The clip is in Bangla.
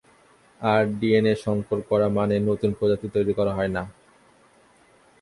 আর ডিএনএ সংকর করা, মানে, নতুন প্রজাতি তৈরি করা হয় না?